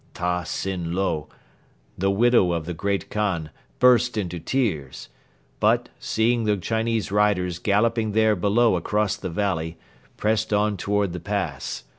Ta Sin Lo, the widow of the Great Khan, burst into tears; but, seeing the Chinese riders galloping there below across the valley, pressed on toward the pass.